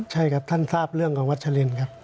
ใช่ครับท่านทราบเรื่องกับวัชลินครับ